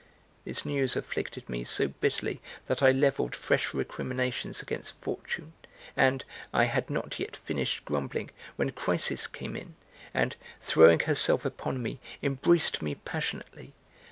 (This news afflicted me so bitterly that I levelled fresh recriminations against Fortune, and) I had not yet finished grumbling when Chrysis came in and, throwing herself upon me, embraced me passionately.